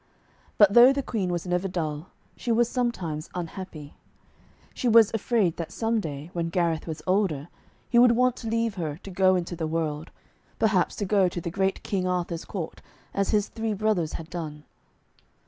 But though the Queen was never dull, she was sometimes unhappy. She was afraid that some day, when Gareth was older, he would want to leave her to go into the world, perhaps to go to the great King Arthur's court, as his three brothers had done.